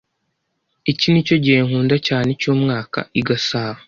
Iki nicyo gihe nkunda cyane cyumwaka i Gasabo.